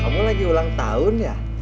kamu lagi ulang tahun ya